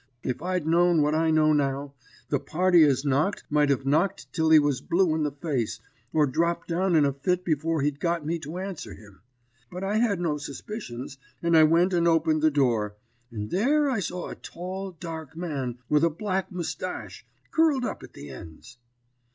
If I'd known what I know now, the party as knocked might have knocked till he was blue in the face, or dropped down in a fit before he'd got me to answer him. But I had no suspicions, and I went and opened the door, and there I saw a tall, dark man, with a black moustache, curled up at the ends.